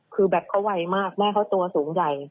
คือแบบเขาไวมากแม่เขาตัวสูงใหญ่